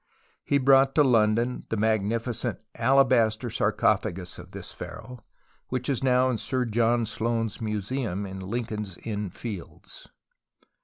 He brought to London the magnificent " alabaster" sarcophagus of this pharaoh, which is now in Sir John Soane's museum in Lincoln's Inn Fields.